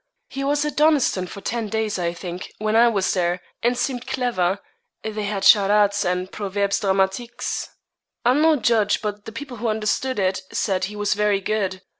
'He was at Donnyston for ten days, I think, when I was there, and seemed clever. They had charades and proverbes dramatiques. I'm no judge, but the people who understood it, said he was very good.'